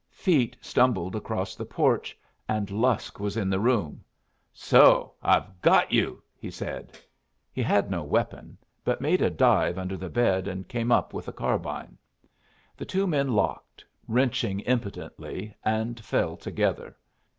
Feet stumbled across the porch, and Lusk was in the room. "So I've got you!" he said. He had no weapon, but made a dive under the bed and came up with a carbine. The two men locked, wrenching impotently, and fell together.